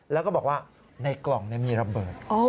แล้วก็บอกว่าในกล่องมีระเบิด